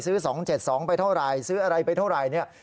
ซื้อ๒๗๒ไปเท่าไหร่ซื้ออะไรไปเท่าไหร่